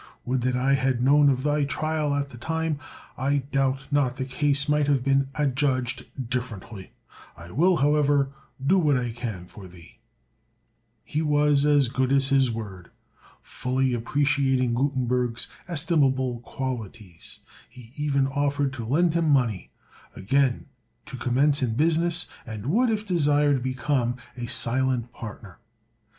Would that I had known of thy trial at the time; I doubt not the case might have been adjudged differently. I will, however, do what I can for thee." He was as good as his word. Fully appreciating Gutenberg's estimable qualities, he even offered to lend him money, again to commence in business, and would, if desired, become a silent partner.